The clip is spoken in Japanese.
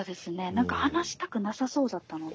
何か話したくなさそうだったので。